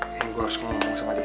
gue harus ngomong sama dia